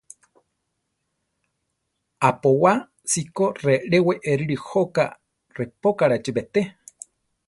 Apowá cikó reʼlé weéreli jóka repókarachi beté.